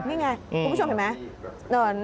นี่ไงคุณผู้ชมเห็นไหม